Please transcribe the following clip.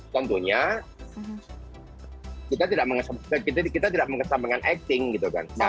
contohnya kita tidak mengesampingkan kita tidak mengesampingkan acting gitu kan